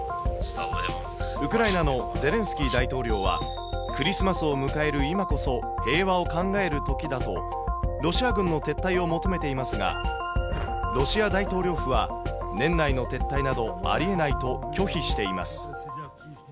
ウクライナのゼレンスキー大統領は、クリスマスを迎える今こそ平和を考えるときだとロシア軍の撤退を求めていますが、ロシア大統領府は、年内の撤退などありえないと拒否しています。